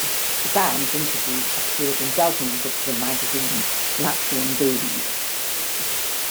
The bands interviews appeared in dozens of the magazines, Latvian dailies.